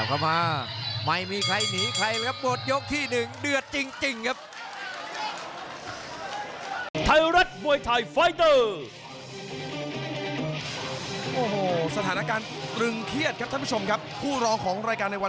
ใครจะเลี้ยวเลยครับ